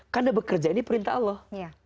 karena bekerja ini perintah allah